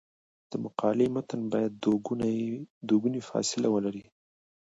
د مقالې متن باید دوه ګونی فاصله ولري.